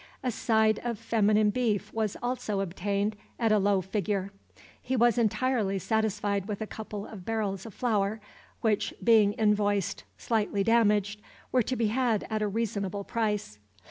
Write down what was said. A side of feminine beef was also obtained at a low figure. He was entirely satisfied with a couple of barrels of flour, which, being invoiced "slightly damaged," were to be had at a reasonable price.